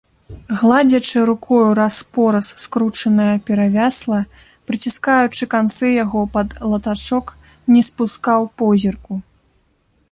Гладзячы рукою раз-пораз скручанае перавясла, прыціскаючы канцы яго пад латачок, не спускаў позірку.